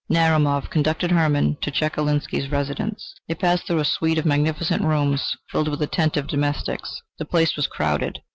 Narumov conducted Hermann to Chekalinsky's residence. They passed through a suite of magnificent rooms, filled with attentive domestics. The place was crowded.